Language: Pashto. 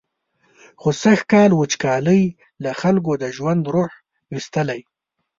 خو سږکال وچکالۍ له خلکو د ژوند روح ویستلی.